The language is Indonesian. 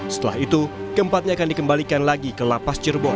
setelah itu keempatnya akan dikembalikan lagi ke lapas cirebon